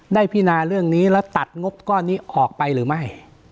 พินาเรื่องนี้แล้วตัดงบก้อนนี้ออกไปหรือไม่